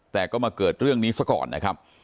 แต่ก็มาเกิดเรื่องนี้ซะก่อนนะครับ